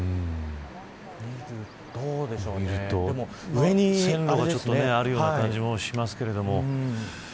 上に線路がちょっとあるような感じもしますけれども。